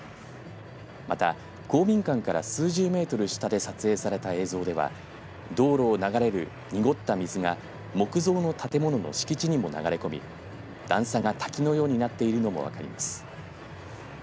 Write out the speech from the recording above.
また公民館から数十メートル下で撮影された映像では道路を流れる濁った水が木造の建物の敷地にも流れ込み段差が滝のようになっているのも分かります。